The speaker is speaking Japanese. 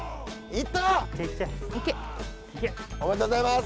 いけ！おめでとうございます。